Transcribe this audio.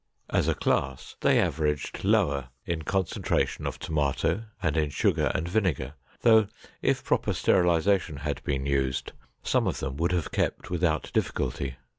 As a class they averaged lower in concentration of tomato and in sugar and vinegar, though if proper sterilization had been used, some of them would have kept without difficulty.